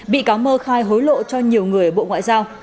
bị cáo mơ khai hối lộ cho nhiều người ở ngoại giao